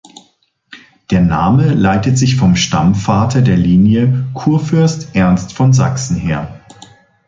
Der Name leitet sich vom Stammvater der Linie Kurfürst Ernst von Sachsen her.